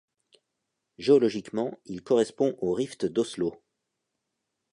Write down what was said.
Géologiquement, il correspond au rift d'Oslo.